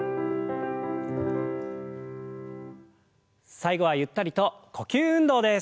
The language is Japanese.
最後はゆったりと呼吸運動です。